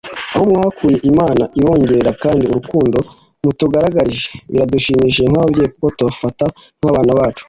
aho mwakuye Imana ibongerere kandi urukundo mutugaragarije biradushimishije nk’ababyeyi kuko tubafata nk’abana bacu”